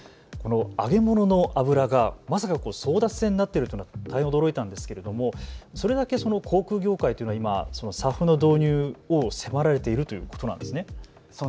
揚げ物の油が争奪戦になっているとは大変驚いたんですがそれだけ航空業界はＳＡＦの導入を迫られているということなんですね。